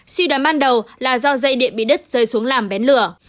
suy đoán ban đầu là do dây điện bị đứt rơi xuống làm bén lửa